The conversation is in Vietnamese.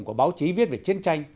của báo chí viết về chiến tranh